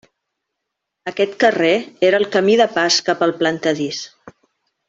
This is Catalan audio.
Aquest carrer era el camí de pas cap al Plantadís.